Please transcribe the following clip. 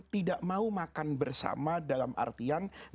tidak mau makan bersama dalam artian